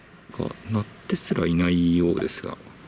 鳴ってすらいないようですが。